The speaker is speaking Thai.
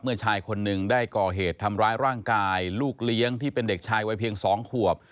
ชายคนหนึ่งได้ก่อเหตุทำร้ายร่างกายลูกเลี้ยงที่เป็นเด็กชายวัยเพียง๒ขวบ